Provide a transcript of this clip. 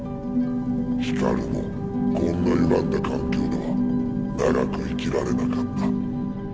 ヒカルもこんなゆがんだ環境では長く生きられなかった。